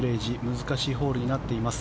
難しいホールになっています。